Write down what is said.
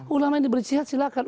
ulama ini beristihad silahkan